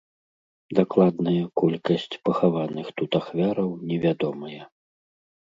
Дакладная колькасць пахаваных тут ахвяраў невядомая.